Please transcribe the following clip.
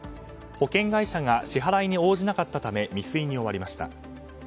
保険会社が支払いに応じなかったため未遂に終わりました。